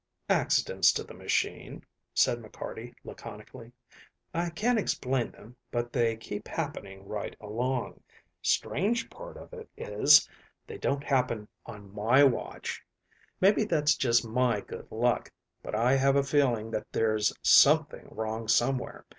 "Accidents to the machine," said McCarty laconically. "I can't explain them, but they keep happening right along. Strange part of it is, they don't happen on my watch. Maybe that's just my good luck, but I have a feeling that there's something wrong somewhere.